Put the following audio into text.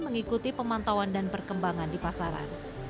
mengikuti pemantauan dan perkembangan di pasaran